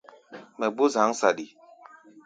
Mɛ gbó zǎŋ saɗi.